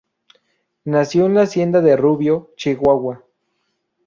Nació en la Hacienda de Rubio, Chihuahua.